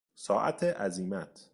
ساعت عزیمت